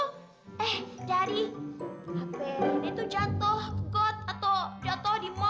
eh dari hpnya itu jatuh kegot atau jatuh di mal